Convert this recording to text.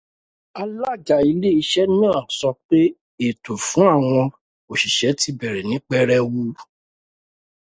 Alága ilé iṣẹ́ náà sọ pé ètò fún àwọn òṣíṣẹ́ ti bẹ̀rẹ̀ ní pẹrẹwu.